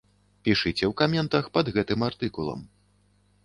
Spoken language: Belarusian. Пішыце ў каментах пад гэтым артыкулам.